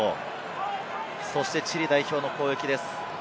そしてチリ代表の攻撃です。